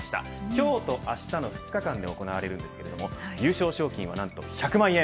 今日と明日の２日間で行われるのですけど優勝賞金は１００万円。